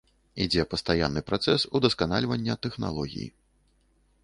Ідзе пастаянны працэс удасканальвання тэхналогій.